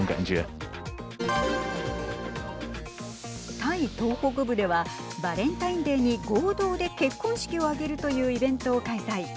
タイ東北部ではバレンタインデーに合同で結婚式を挙げるというイベントを開催。